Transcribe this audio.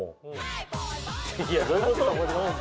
いやどういうこと？